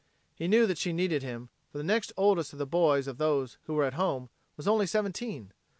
He knew that she needed him, for the next oldest of the brothers of those who were at home was only seventeen.